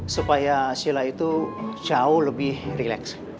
supaya sila itu jauh lebih relax